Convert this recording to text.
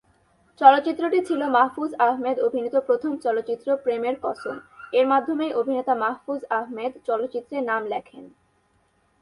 চলচ্চিত্রটি ছিল মাহফুজ আহমেদ অভিনীত প্রথম চলচ্চিত্র, "প্রেমের কসম" এর মাধ্যমেই অভিনেতা মাহফুজ আহমেদ চলচ্চিত্রে নাম লেখেন।।